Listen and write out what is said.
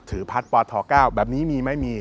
ถือพัดปธ๙แบบนี้มีไม่มี